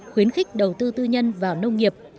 khuyến khích đầu tư tư nhân vào nông nghiệp